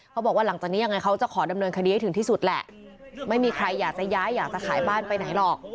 เขาบอกว่าหลังจากนี้ยังไงเขาจะขอดำเนินคดีให้ถึงที่สุดแหละไม่มีใครอยากจะย้ายอยากจะขายบ้านไปไหนหรอก